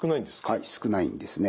はい少ないんですね。